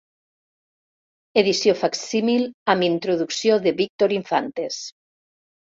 Edició facsímil amb introducció de Víctor Infantes.